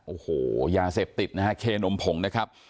โอ้โหยาเสพติดนะฮะเคนมผงนะครับ